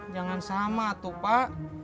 jangan sama tuh pak